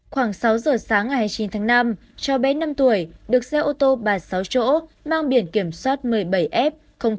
khoảng sáu giờ sáng ngày hai mươi chín tháng năm cháu bé năm tuổi được xe ô tô ba mươi sáu chỗ mang biển kiểm soát một mươi bảy f một